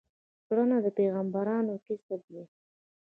کرنه د پیغمبرانو کسب دی.